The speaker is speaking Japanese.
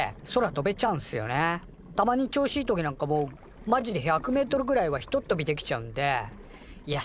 たまに調子いい時なんかもうマジで１００メートルぐらいはひとっ飛びできちゃうんでいや